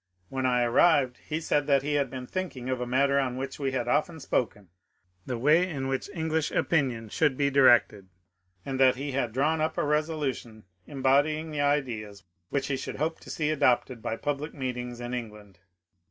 When I arrived he said that he had been thinking of a matter on which we had often spoken — the way in which English opinion should be directed ; and that he had drawn up a resolution embodying the ideas which he should hope to see adopted by public meetings in England.